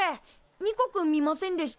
ニコくん見ませんでした？